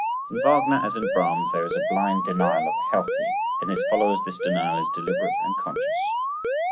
In Wagner, as in Brahms, there is a blind denial of the healthy, in his followers this denial is deliberate and conscious.